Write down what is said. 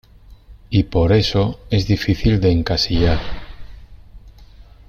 Y por eso es difícil de encasillar.